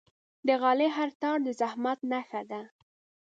د غالۍ هر تار د زحمت نخښه ده.